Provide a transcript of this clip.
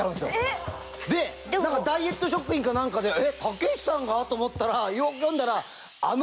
で何かダイエット食品か何かで「え？たけしさんが？」と思ったらよく読んだら「誰やお前！」